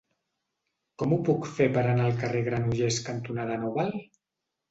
Com ho puc fer per anar al carrer Granollers cantonada Nobel?